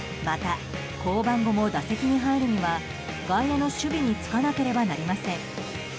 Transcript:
また、降板後も打席に入るには外野の守備につかなければなりません。